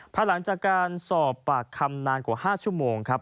ภายหลังจากการสอบปากคำนานกว่า๕ชั่วโมงครับ